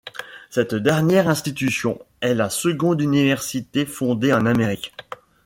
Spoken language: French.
Cette dernière institution est la seconde université fondée en Amérique.